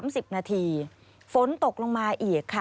สวัสดีค่ะสวัสดีค่ะ